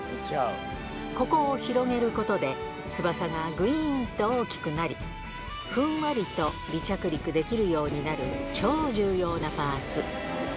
ここを広げることで、翼がぐいーんと大きくなり、ふんわりと離着陸できるようになる超重要なパーツ。